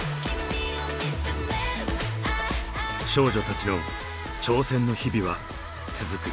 少女たちの挑戦の日々は続く。